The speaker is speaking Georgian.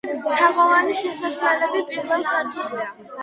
თაღოვანი შესასვლელები პირველ სართულზეა.